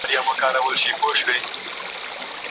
که ونې ونه کرل شي، ځنګلونه کمېږي.